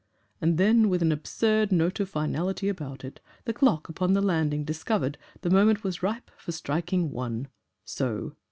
And then, with an absurd note of finality about it, the clock upon the landing discovered the moment was ripe for striking ONE. So!